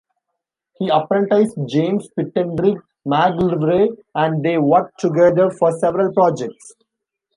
He apprenticed James Pittendrigh Macgillivray and they worked together for several projects.